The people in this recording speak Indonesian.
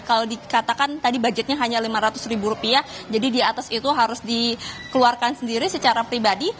kalau dikatakan tadi budgetnya hanya lima ratus ribu rupiah jadi di atas itu harus dikeluarkan sendiri secara pribadi